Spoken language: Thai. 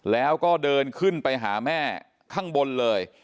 แล้วก็เดินขึ้นไปหาแม่ข้างบนเลย